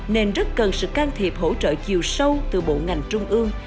nên rất cần sự can thiệp hỗ trợ chiều sâu từ bộ ngành trung ương